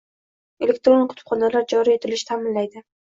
elektron kutubxonalar joriy etilishini ta’minlaydi;